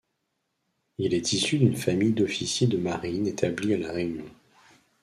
Il est issu d’une famille d’officiers de marine établie à La Réunion.